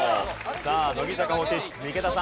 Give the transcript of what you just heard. さあ乃木坂４６池田さん。